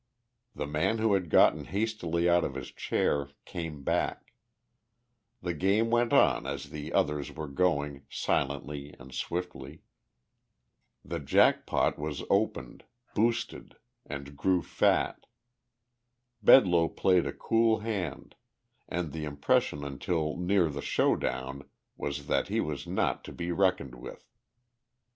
The man who had gotten hastily out of his chair came back. The game went on as the others were going, silently and swiftly. The jack pot was opened, "boosted," and grew fat. Bedloe played a cool hand, and the impression until near the show down was that he was not to be reckoned with.